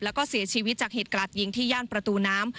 แล้วก็เสียชีวิตจากเหตุกราดยิงที่ย่านประตูน้ำ